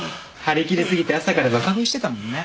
張りきり過ぎて朝からバカ食いしてたもんね。